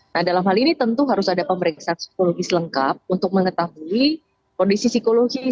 nah dalam hal ini tentu harus ada pemeriksaan psikologis lengkap untuk mengetahui kondisi psikologi